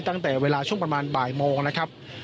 ตั้งแต่เวลาช่วงประมาณบ่ายโมงนะครับ